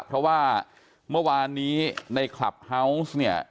เพราะว่าเมื่อวานนี้ในคลับเฮาวส์เนี่ย